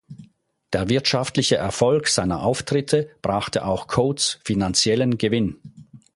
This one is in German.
Der wirtschaftliche Erfolg seiner Auftritte brachte auch Coates finanziellen Gewinn.